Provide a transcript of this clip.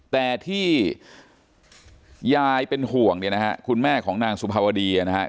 แต่ที่ยายเป็นห่วงเนี่ยนะฮะคุณแม่ของนางสุภาวดีนะครับ